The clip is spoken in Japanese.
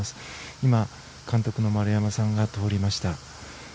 今、監督の丸山さんが通りました。